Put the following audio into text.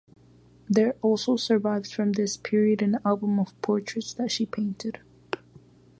There also survives from this period an album of portraits that she painted.